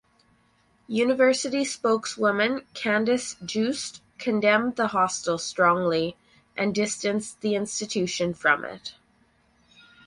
University spokeswoman Candice Jooste condemned the hostel "strongly" and distanced the institution from it.